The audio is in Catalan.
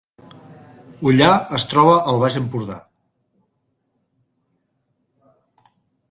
Ullà es troba al Baix Empordà